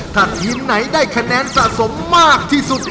ถ้าทีมไหนได้คะแนนสะสมมากที่สุด